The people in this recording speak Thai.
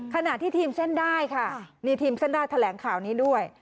ขณะที่ทีมเส้นได้ค่ะมีทีมเส้นได้แถลงข่าวนี้ด้วย